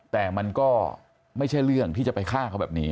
แต่มันก็ไม่ใช่เรื่องที่จะไปฆ่าเขาแบบนี้